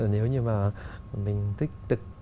nếu như mà mình thích thực